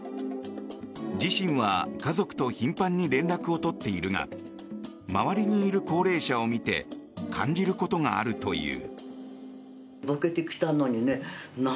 自身は家族と頻繁に連絡を取っているが周りにいる高齢者を見て感じることがあるという。